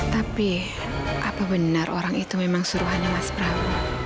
tapi apa benar orang itu memang suruhannya mas prabu